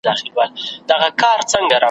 هم باتور د خپل اولس وي هم منظور د خپل اولس وي ,